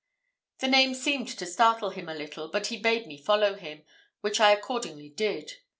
The name seemed to startle him a little; but he bade me follow him, which I accordingly did.